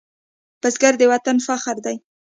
بزګر د وطن فخر دی